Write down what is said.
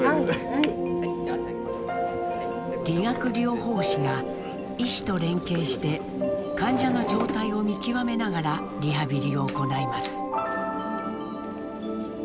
「理学療法士」が医師と連携して患者の状態を見極めながらリハビリを行います。